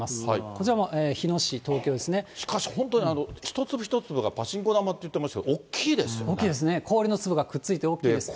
こちらも日野市、しかし、本当、一粒一粒がパチンコ玉って言ってましたけど、大きいですね、氷の粒がくっついて大きいです。